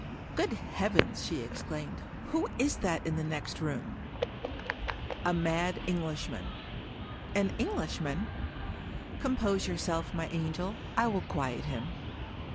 " Good heavens !" she exclaimed. " Who is that in the next room ?"" A mad Englishman." "An Englishman?" " Compose yourself, my angel. I will quiet him."